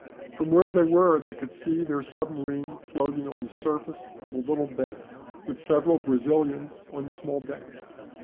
From where they were they could see their submarine floating on the surface of the little bay, with several Brazilians on the small deck.